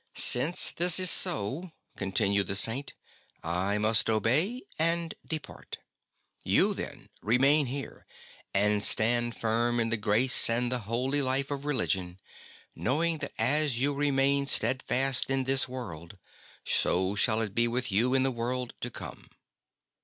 '' Since this is so/' continued the Saint, " I must obey and depart. You then remain here and stand firm in the grace and the holy life of religion, knowing that as you remain steadfast in this world, so shall it be with you in the world to come.''